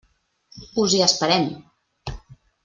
Us hi esperem!